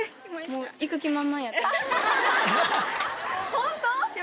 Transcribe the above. ホント？